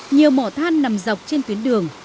nhiều mỏ than nằm dọc trên tuyến đường